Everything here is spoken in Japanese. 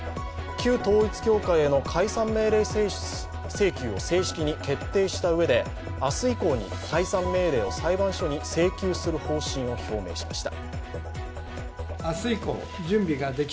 旧統一教会への解散命令請求を正式に決定したうえで明日以降に解散命令を裁判所に請求する方針を表明しました。